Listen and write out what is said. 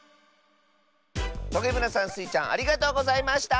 トゲむらさんスイちゃんありがとうございました。